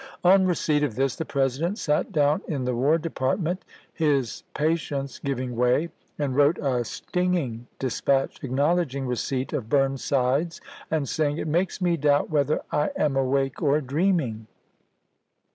On receipt of this, the President sat down in the War Department, his patience giving way, and wrote a stinging dispatch acknowledging receipt of Burn side's, and saying :" It makes me doubt whether I am awake or dreaming.